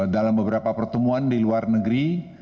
dalam beberapa pertemuan di luar negeri